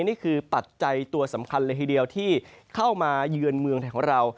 ปัจจัยตัวสำคัญเลยทีเดียวที่เข้ามาเยือนเมืองไทยของเรา